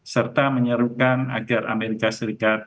serta menyerukan agar amerika serikat